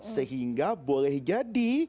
sehingga boleh jadi